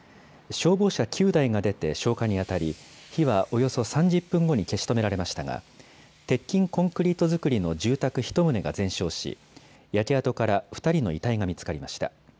消防車９台が出て、消火に当たり、火はおよそ３０分後に消し止められましたが、鉄筋コンクリート造りの住宅１棟が全焼し、焼け跡から２人の遺体が見つかりました。